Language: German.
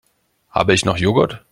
Habe ich noch Joghurt?